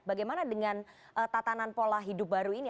bagaimana dengan tatanan pola hidup baru ini